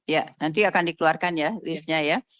ya nanti akan dikeluarkan ya listnya ya